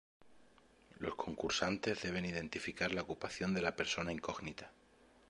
Los concursantes deben identificar la ocupación de la persona incógnita.